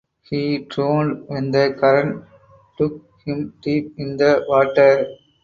He drowned when the current took him deep in the water.